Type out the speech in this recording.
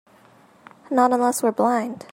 Not unless we're blind.